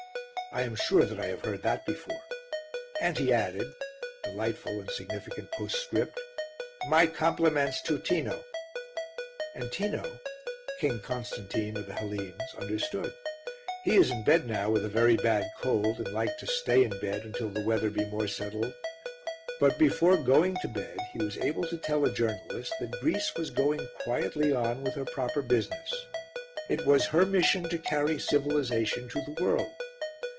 I am sure that I have heard that before. And he added delightful and significant postscript! "My compliments to Tino." And Tino King Constantine of the Hellenes understood. He is in bed now with a very bad cold, and like to stay in bed until the weather be more settled. But before going to bed he was able to tell a journalist that Greece was going quietly on with her proper business; it was her mission to carry civilisation to the world.